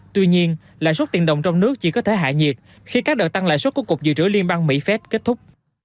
tuy nhiên lãi suất tiền đồng trong nước chỉ có thể hạ nhiệt khi các đợt tăng lãi suất của cục dự trữ liên bang mỹ phép kết thúc